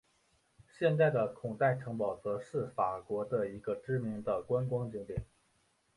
现在的孔代城堡则是法国的一个知名的观光景点。